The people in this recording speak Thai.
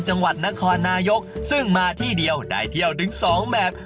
จังหวัดนครนายกซึ่งมาที่เดียวได้เที่ยวถึงสองแบบ